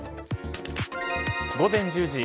午前１０時。